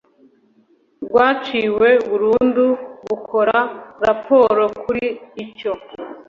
rwaciwe burundu bukora raporo kuri icyo